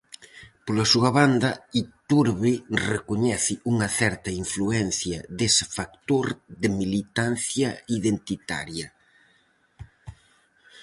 Pola súa banda, Iturbe recoñece unha certa influencia dese factor de militancia identitaria.